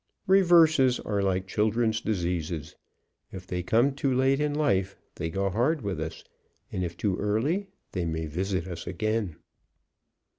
Reverses are like children's diseases. If they come too late in life, they go hard with us; and if too early, they may visit us again.